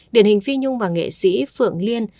điển hình phi nhung và nghệ sĩ phượng liên